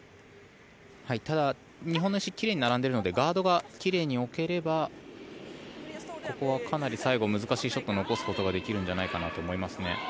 ただ、日本の石奇麗に並んでいるのでガードが奇麗に置ければここはかなり最後難しいショットを残すことができるんじゃないかなと思いますね。